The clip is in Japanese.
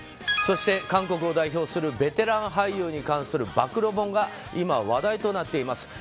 そして韓国を代表するベテラン俳優に関する暴露本が今話題となっています。